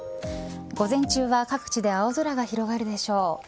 午前中は各地で青空が広がるでしょう。